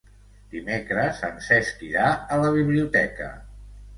Dimecres en Cesc irà a la biblioteca.